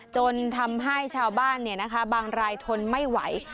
จนทำให้ชาวบ้านบางรายทนไม่ไหว